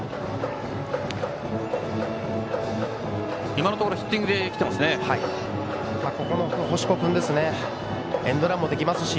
今のところヒッティングできていますね。